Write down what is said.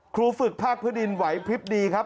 ครูฝึกภาคพื้นดินไหวพลิบดีครับ